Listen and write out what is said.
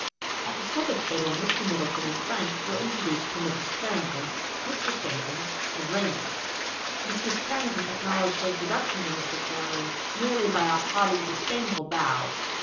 At the supper table Mr. Middleton and Frank were introduced to Mrs. Carrington, Mr. Stanton and Raymond. Mrs. Carrington acknowledged her introduction to Mr. Cameron merely by a haughty, disdainful bow.